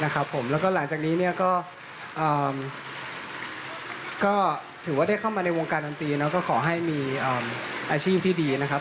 ก็ถือว่าได้เข้ามาในวงการดันตรีแล้วก็ขอให้มีอาชีพที่ดีนะครับ